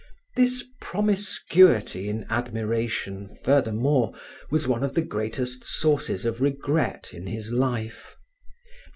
This promiscuity in admiration, furthermore, was one of the greatest sources of regret in his life.